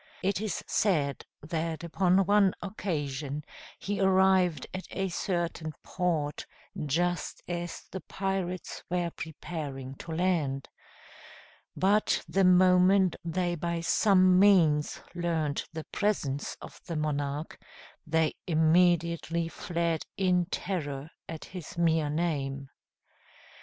It is said that upon one occasion he arrived at a certain port just as the pirates were preparing to land; but the moment they by some means learnt the presence of the monarch, they immediately fled in terror at his mere name.